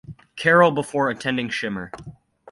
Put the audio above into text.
Carroll before attending Shimer.